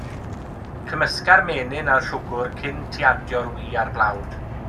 Cymysga'r menyn a'r siwgr cyn ti adio'r wy a'r blawd.